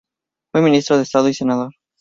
Fue ministro de Estado y senador.